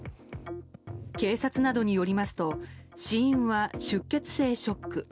警察などによりますと死因は出血性ショック。